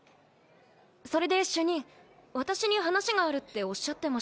それで主任私に話があるっておっしゃってましたけど。